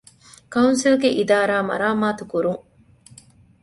ކައުންސިލްގެ އިދާރާ މަރާމާތުކުރުން